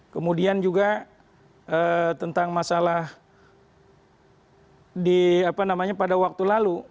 kemudian juga tentang masalah pada waktu lalu